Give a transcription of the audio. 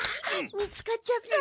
見つかっちゃった。